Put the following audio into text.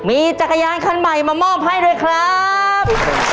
มีจักรยานคันใหม่มามอบให้ด้วยครับ